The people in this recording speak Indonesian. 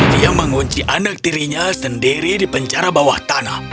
dia mengunci anak tirinya sendiri di penjara bawah tanah